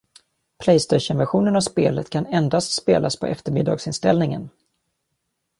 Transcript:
PlayStation-versionen av spelet kan endast spelas på eftermiddagsinställningen.